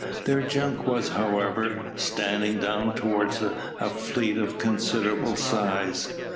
Their junk was, however, standing down towards a fleet of considerable size.